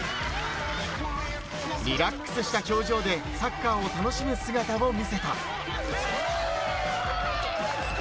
リラックスした表情でサッカーを楽しむ姿を見せた。